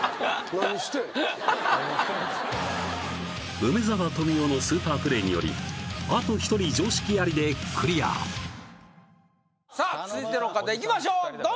梅沢富美男のスーパープレーによりあと１人常識ありでクリアさあ続いての方いきましょう